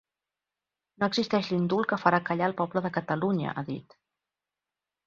No existeix l’indult que farà callar el poble de Catalunya, ha dit.